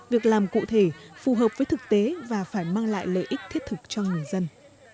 việc làm cụ thể phù hợp với thực tế và phải mang lại lợi ích thiết thực cho người dân